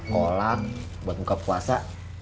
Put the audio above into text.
kolak buat muka puasa